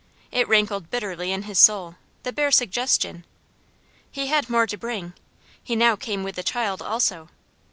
It rankled bitterly in his soul, the bare suggestion. He had more to bring. He now came with a child also.